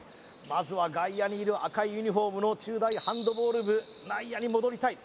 まずは外野にいる赤いユニフォームの中大ハンドボール部内野に戻りたい